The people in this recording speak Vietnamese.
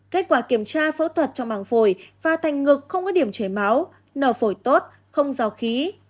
kết quả kiểm tra phẫu thuật trong màng phổi và thành ngực không có điểm chảy máu nở phổi tốt không rào khí